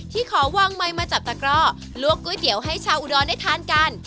ขอวางไมค์มาจับตะกร่อลวกก๋วยเตี๋ยวให้ชาวอุดรได้ทานกัน